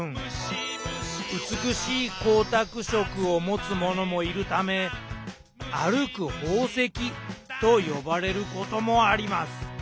美しい光沢色を持つものもいるため「歩く宝石」と呼ばれることもあります。